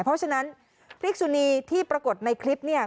เพราะฉะนั้นพริกสุนีที่ปรากฏในคลิปเนี่ย